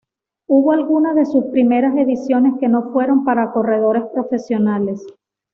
Hubo algunas de sus primeras ediciones que no fueron para corredores profesionales.